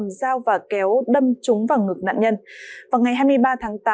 và thành phố đà nẵng đã cầm dao và kéo đâm trúng vào ngực nạn nhân vào ngày hai mươi ba tháng tám